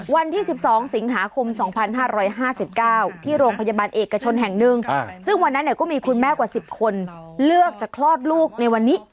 วันที่๑๒สิงหาคม๒๕๕๙ที่โรงพยาบาลเอกชนแห่งหนึ่งซึ่งวันนั้นก็มีคุณแม่กว่า๑๐คนเลือกจะคลอดลูกในวันนี้